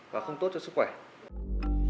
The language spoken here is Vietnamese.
và không tốt cho sức khỏe